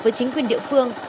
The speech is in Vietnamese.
với chính quyền địa phương